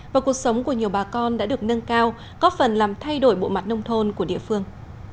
và cuộc sống của nhiều bà con đã được nâng cao có phần làm thay đổi bộ mặt nông thôn của địa phương